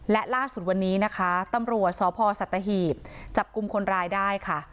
และล่าสุดวันนี้นะคะตำรวจสพสัตหีบจับกลุ่มคนร้ายได้ค่ะ